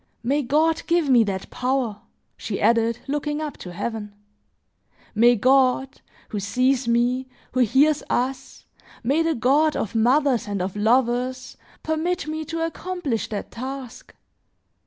May God give me that power!" she added, looking up to heaven. "May God, who sees me, who hears us, may the God of mothers and of lovers, permit me to accomplish that task!